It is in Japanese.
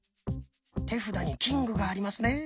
手札に「キング」がありますね。